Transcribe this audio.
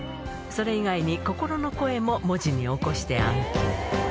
それ以外に心の声も文字に起こしている。